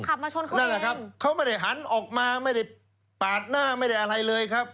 มาชนเขานั่นแหละครับเขาไม่ได้หันออกมาไม่ได้ปาดหน้าไม่ได้อะไรเลยครับ